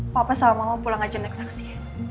papa sama mama pulang aja naik taksi